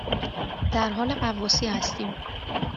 درحال غواصی هستیم